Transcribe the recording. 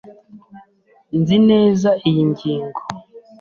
Nzi neza iyi ngingo.